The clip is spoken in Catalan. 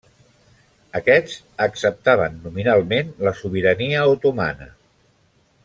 Aquests acceptaven nominalment la sobirania otomana.